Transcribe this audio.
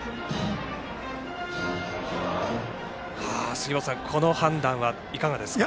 杉本さん、この判断はいかがですか？